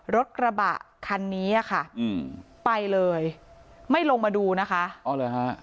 รถกระบะคันนี้อ่ะค่ะอืมไปเลยไม่ลงมาดูนะคะอ๋อเหรอฮะ